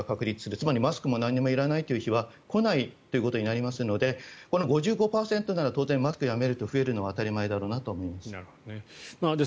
つまりマスクも何もいらないという日は来ないということになりますのでこの５５％なら当然マスクをやめると増えるのは当たり前だと思います。